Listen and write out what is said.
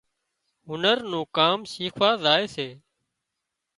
هنر نُون ڪام شيکوا زائي سي